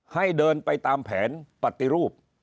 ให้เดินไปตามแผนปฏิรูป